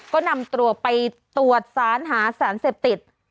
ก็นำตัวไปตรวจสารหาสารเสพติด